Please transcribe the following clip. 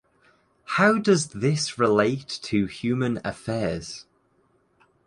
How does this relate to human affairs?